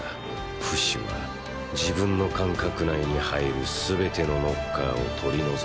フシは自分の感覚内に入る全てのノッカーを取り除こうとした。